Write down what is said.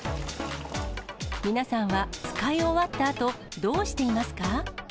皆さんは使い終わったあと、どうしていますか？